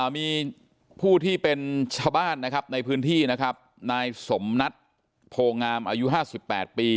มีผู้ที่เป็นชาวบ้านนะครับในพื้นที่นะครับนายสมนัทโพงามอายุ๕๘ปี